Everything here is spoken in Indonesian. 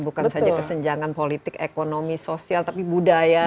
bukan saja kesenjangan politik ekonomi sosial tapi budaya